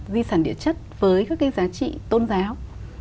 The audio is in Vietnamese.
di sản địa chất với các cái giá trị tôn giáo